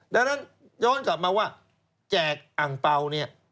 ดังนั้นย้อนกลับมาว่าแจกอังเปล่าเนี่ย